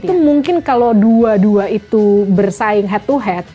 itu mungkin kalau dua dua itu bersaing head to head